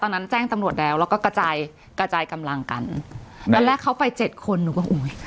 ตอนนั้นแจ้งตำรวจแล้วแล้วก็กระจายกระจายกำลังกันในแรกเขาไปเจ็ดคนหรือเปล่าอุ้ย